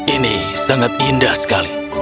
ini sangat indah sekali